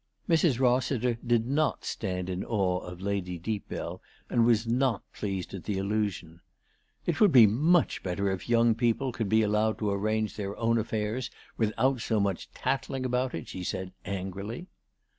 Mrs. Rossiter did not stand in awe of Lady Deepbell, and was not pleased at the allusion. " It would be much better if young people could be allowed to arrange their own affairs without so much tattling about it," she said angrily.